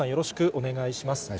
お願いします。